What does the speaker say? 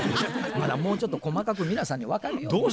まだもうちょっと細かく皆さんに分かるように。